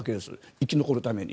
生き残るために。